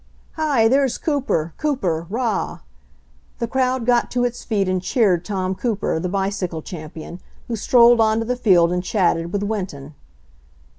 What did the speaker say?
"Hi, there's Cooper! Cooper! Rah!" The crowd got to its feet and cheered Tom Cooper, the bicycle champion, who strolled on to the field and chatted with "Winton.